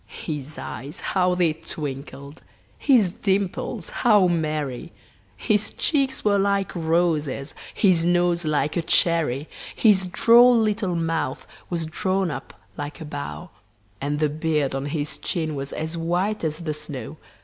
His eyes how they twinkled; his dimples how merry! His cheeks were like roses, his nose like a cherry; His droll little mouth was drawn up like a bow, And the beard on his chin was as white as the snow.